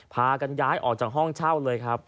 พากันย้ายออกจากห้องเช่าเลยครับ